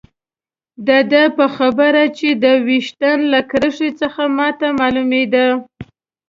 د ده په خبره چې د ویشتن له کرښې څخه ما ته معلومېده.